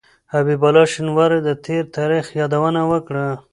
حسيب الله شينواري د تېر تاريخ يادونه وکړه.